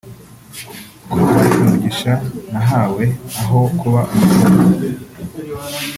ko ari umugisha nahawe aho kuba umuvumo